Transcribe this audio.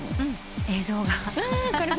映像が。